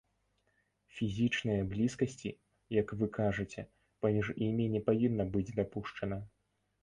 Фізічнае блізкасці, як вы кажаце, паміж імі не павінна быць дапушчана.